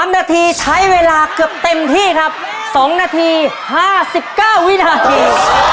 ๓นาทีใช้เวลาเกือบเต็มที่ครับ๒นาที๕๙วินาที